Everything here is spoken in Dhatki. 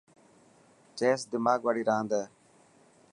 چيس دماغ واڙي راند هي.